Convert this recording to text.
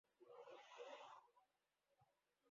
নিজামুদ্দিন সাহেবের বয়স পঞ্চাশের কাছাকাছি।